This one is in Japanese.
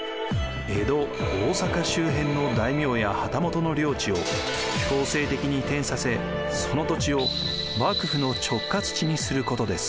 江戸・大坂周辺の大名や旗本の領地を強制的に移転させその土地を幕府の直轄地にすることです。